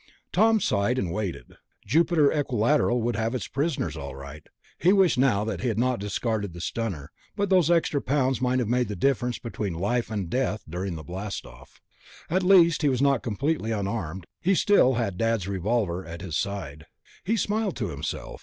Tom sighed, and waited. Jupiter Equilateral would have its prisoners, all right. He wished now that he had not discarded the stunner, but those extra pounds might have made the difference between life and death during the blastoff. And at least he was not completely unarmed. He still had Dad's revolver at his side. He smiled to himself.